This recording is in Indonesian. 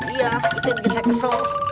iya itu yang bikin saya kesel